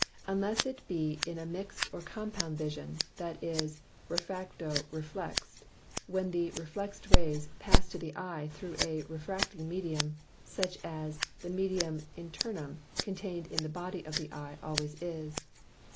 Unless it be in a mixt or compound Vision, that is Refracto Reflext, when the reflext Rays pass to the Eye through a refracting Medium, such as the Medium Internum, contain'd in the Body of the Eye, always is.